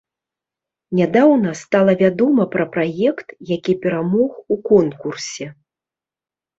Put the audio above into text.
Нядаўна стала вядома пра праект, які перамог у конкурсе.